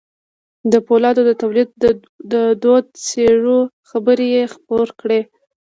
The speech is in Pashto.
د پولادو د توليد د دوو څېرو خبر يې خپور کړ.